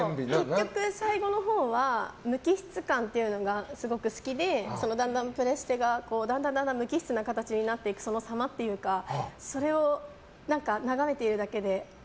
結局、最後のほうは無機質感というのが好きでだんだんプレステがだんだん無機質な形になっていくそのさまというかそれを、眺めているだけで。